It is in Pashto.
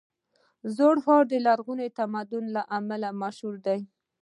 زوړ ښار د لرغوني تمدن له امله مشهور دی.